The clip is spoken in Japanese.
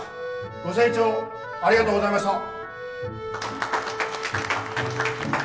ご清聴ありがとうございました。